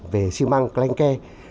về xi măng clanke